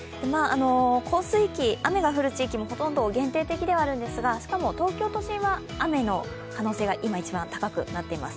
降水期、雨が降る地域もほとんど限定的なんですけどしかも、東京都心は雨の可能性が今一番高くなっています。